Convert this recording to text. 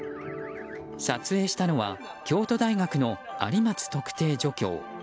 撮影したのは京都大学の有松特定助教。